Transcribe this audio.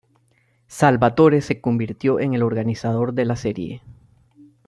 Salvatore se convirtió en el organizador de la serie.